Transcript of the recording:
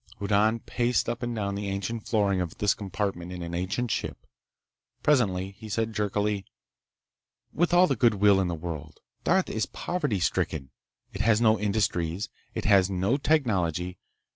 Hoddan paced up and down the ancient flooring of this compartment in an ancient ship. Presently he said jerkily: "With all the good will in the world.... Darth is poverty stricken. It has no industries. It has no technology.